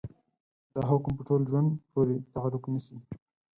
دا حکم په ټول ژوند پورې تعلق نيسي.